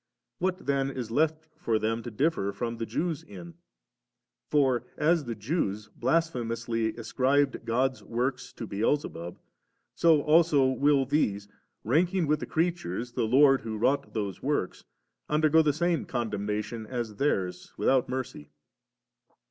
What then is left for them to differ from the Jews in ? for as the Jews blasphemously ascribed God's works to Beel zebub, so also will these, ranking with the creatures the Lord who wrought those works, imdergo the same condemnation as theirs with out mercy.